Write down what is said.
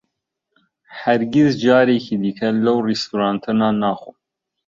ھەرگیز جارێکی دیکە لەو ڕێستورانتە نان ناخۆم.